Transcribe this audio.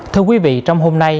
thưa quý vị trong hôm nay